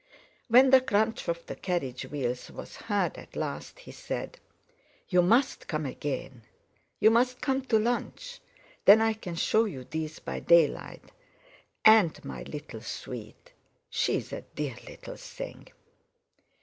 When the crunch of the carriage wheels was heard at last, he said: "You must come again; you must come to lunch, then I can show you these by daylight, and my little sweet—she's a dear little thing.